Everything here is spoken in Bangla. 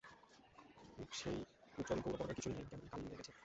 সেই উজ্জ্বল গৌরবর্ণের কিছুই নেই, কেমন কালি মেরে গেছে।